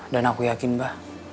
dan aku yakin ba